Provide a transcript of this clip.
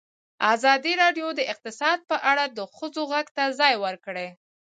ازادي راډیو د اقتصاد په اړه د ښځو غږ ته ځای ورکړی.